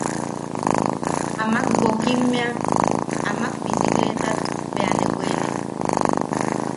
Amak wokimmea, amak bisikleetat bea ne weene.